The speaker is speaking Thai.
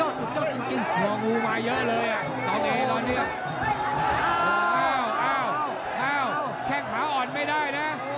เดินให้เร็วเลยละ